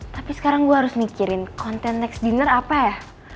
tapi sekarang gue harus mikirin konten next dinner apa ya